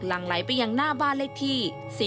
หลังไหลไปยังหน้าบ้านเลขที่๔๔